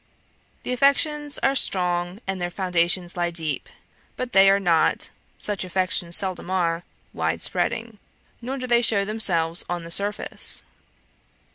The affections are strong and their foundations lie deep: but they are not such affections seldom are wide spreading; nor do they show themselves on the surface.